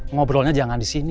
ngobrolnya jangan di sini